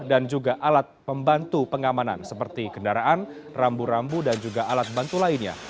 dan juga alat pembantu pengamanan seperti kendaraan rambu rambu dan juga alat bantu lainnya